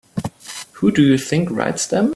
Who do you think writes them?